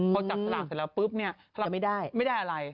พอจับสลากเสร็จแล้วปุ๊บเนี่ยไม่ได้อะไร